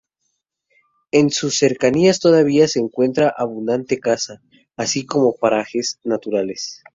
En sus cercanías todavía se encuentra abundante caza, así como parajes naturales.